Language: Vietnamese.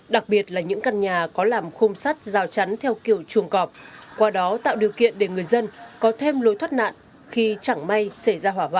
đặc biệt là những căn nhà có làm khung sắt rào chắn theo kiểu chuồng cọp qua đó tạo điều kiện để người dân có thêm lối thoát nạn khi chẳng may xảy ra hỏa hoạn